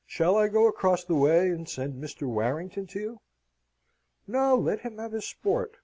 Shall I go across the way and send Mr. Warrington to you?" "No, let him have his sport.